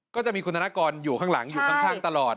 ก็จะมีคุณธนกรอยู่ข้างหลังอยู่ข้างตลอด